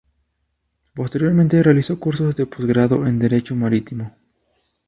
Posteriormente, realizó cursos de postgrado en Derecho Marítimo.